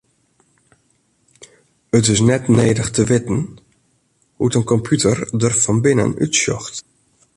It is net nedich te witten hoe't in kompjûter der fan binnen útsjocht.